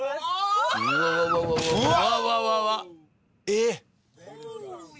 えっ。